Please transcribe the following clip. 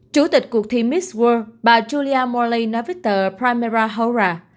chủ tịch cuộc thi miss world bà julia morley nói với tờ primera hora